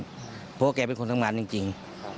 เพราะว่าแกเป็นคนทำงานจริง